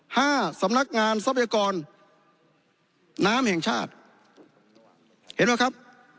ห้าสำนักงานทรัพยากรน้ำแห่งชาติเห็นไหมครับ